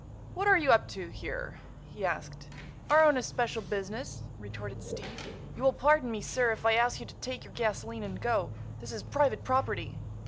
"What are you up to, here?" he asked. "Our own especial business," retorted Steve. "You will pardon me, sir, if I ask you to take your gasoline and go. This is private property."